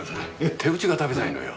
手打ちが食べたいのよ。